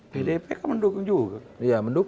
pdip kan mendukung juga